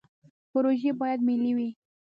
پروژې باید ملي وي